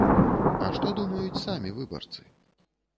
А што думаюць самі выбарцы?